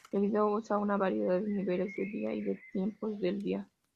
El vídeo usa una variedad de niveles de día, y tiempos del día.